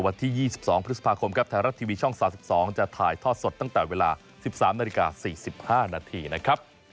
วัน๑๒จะถ่ายทอดสดตั้งแต่เวลา๑๓นาทีกราศ๔๕นาทีนะครับ